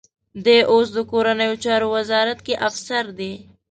دی اوس د کورنیو چارو وزارت کې افسر دی.